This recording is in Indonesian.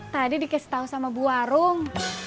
tadi dikasih tahu sama bu warung